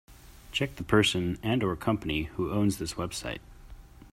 Check the person and/or company who owns this website.